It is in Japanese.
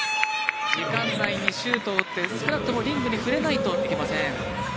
時間内にシュートを打って少なくともリングに触れないといけません。